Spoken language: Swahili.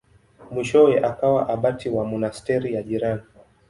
Mwishowe akawa abati wa monasteri ya jirani.